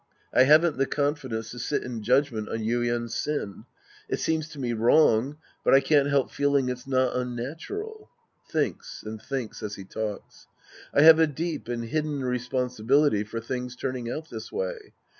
I haven't the confidence to sit in judgment on Yuien's sin. It seems to me wrong, but I can't help feeling it's not unnatural. {Tliinks and thinks as he talks.) I have a deep and hidden responsibility for things turning out this way.